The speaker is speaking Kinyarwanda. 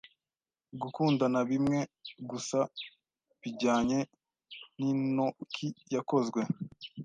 gukundana bimwe gusa bijyanye nintokiyakozwe